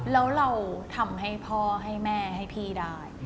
แล้วเราทำให้พ่อให้แม่ให้พี่ได้